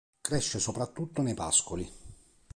Cresce soprattutto nei pascoli.